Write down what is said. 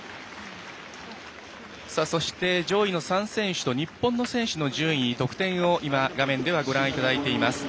そして、上位の３選手と日本の選手と順位得点を今、画面ではご覧いただいています。